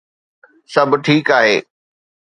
سڀ ٺيڪ آهي